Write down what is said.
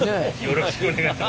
よろしくお願いします。